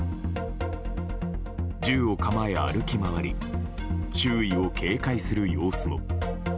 銃を構え、歩き回り周囲を警戒する様子も。